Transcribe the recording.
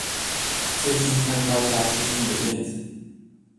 最近看到家附近的燕子